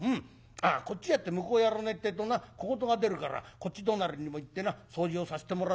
ああこっちやって向こうやらねえってえとな小言が出るからこっち隣にも行ってな掃除をさせてもらって。